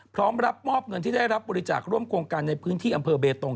พร้อมรับมอบเงินที่ได้รับบริจาคร่วมโครงการในพื้นที่อำเภอเบตง